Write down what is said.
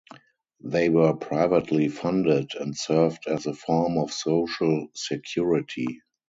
They were privately funded, and served as a form of social security.